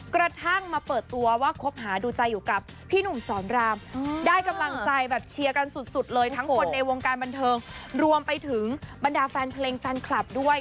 กระทั่งมาเปิดตัวว่าคบหาดูใจอยู่กับพี่หนุ่มสอนรามได้กำลังใจแบบเชียร์กันสุดเลยทั้งคนในวงการบันเทิงรวมไปถึงบรรดาแฟนเพลงแฟนคลับด้วย